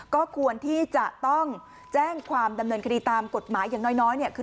ก็ควรที่จะต้องแจ้งความดำเนินคดีตามกฎหมายอย่างน้อยเนี่ยคือ